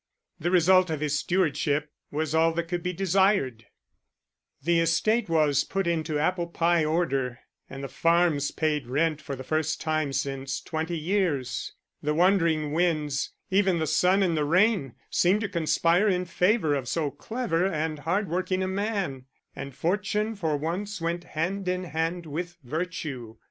The result of his stewardship was all that could be desired; the estate was put into apple pie order, and the farms paid rent for the first time since twenty years. The wandering winds, even the sun and the rain, seemed to conspire in favour of so clever and hard working a man; and fortune for once went hand in hand with virtue.